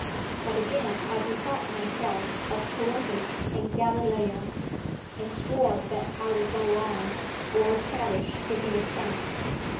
But again I bethought me of Columbus and Galileo, and swore that I would go on or perish in the attempt.